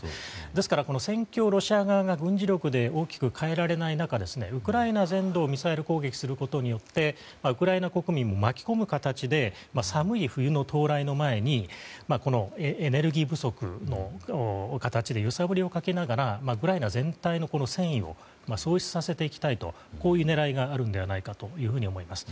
ですから、戦況をロシア側が軍事力で大きく変えられない中でウクライナ全土をミサイル攻撃することによってウクライナ国民も巻き込む形で寒い冬の到来の前にエネルギー不足という形で揺さぶりをかけながらウクライナ全体の戦意を喪失させていきたいとこういう狙いがあるんじゃないかと思います。